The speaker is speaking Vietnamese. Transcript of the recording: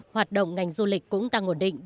hoạt động ngành du lịch cũng tăng ổn định